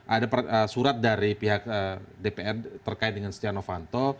ada surat dari pihak dpr terkait dengan setia novanto